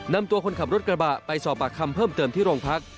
นำตัวคนขับรถกระบะไปสอบปากคำเพิ่มเติมที่โรงพัก